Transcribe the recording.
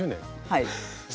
はい。